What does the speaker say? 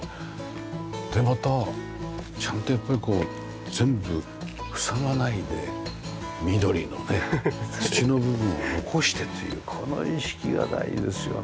でまたちゃんとやっぱりこう全部塞がないで緑のね土の部分を残してというこの意識が大事ですよね。